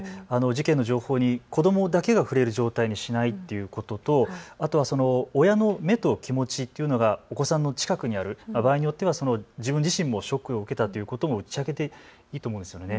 事件の情報に子どもだけが触れる状態にしないっていうこととあとはその親の目と気持ちっていうのがお子さんの近くにある、場合によっては自分自身もショックを受けたということを打ち明けていいと思うんですよね。